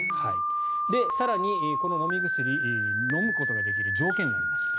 更にこの飲み薬飲むことができる条件があります。